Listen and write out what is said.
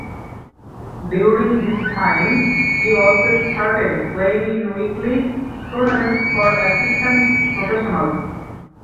During this time he also started playing in weekly tournaments for assistant professionals.